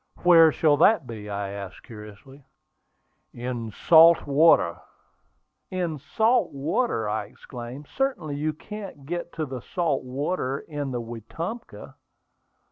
"Where shall that be?" I asked, curiously. "In the salt water." "In the salt water!" I exclaimed. "Certainly you can't get to the salt water in the Wetumpka."